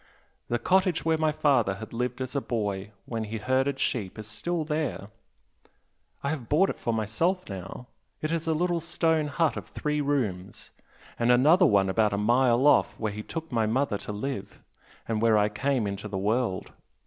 The cottage where my father had lived as a boy when he herded sheep is still there I have bought it for myself now, it is a little stone hut of three rooms, and another one about a mile off where he took my mother to live, and where I came into the world!